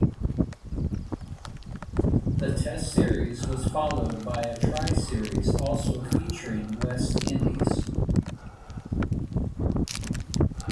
The test series was followed by a tri-series also featuring West Indies.